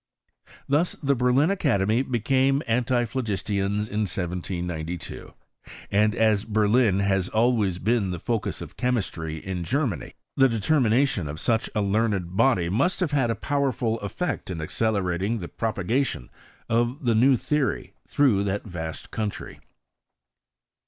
Thus the Berlin Academy became anttphlo gistians in 1792 : and as Berlin has always been the focus of chemistry in Germany, the determinatioa of such a learned body must have had a powerful effect in accelerating the propagation of the new theory through that vast country.